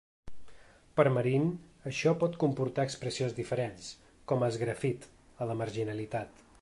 Per marín, això pot comportar expressions diferents, com els grafit, a la marginalitat.